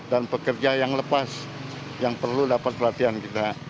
pekerja yang lepas yang perlu dapat pelatihan kita